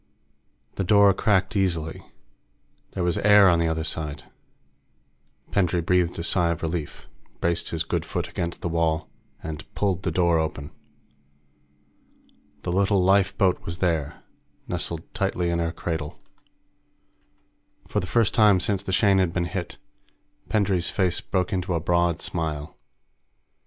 The door cracked easily. There was air on the other side. Pendray breathed a sigh of relief, braced his good foot against the wall, and pulled the door open. The little lifeboat was there, nestled tightly in her cradle. For the first time since the Shane had been hit, Pendray's face broke into a broad smile.